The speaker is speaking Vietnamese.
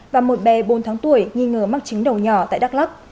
và một bé bốn tháng tuổi nghi ngờ mắc chứng đầu nhỏ tại đắk lắk